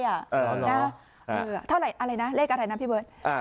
เท่าไหร่อะไรนะเลขอะไรนะพี่เบิร์ต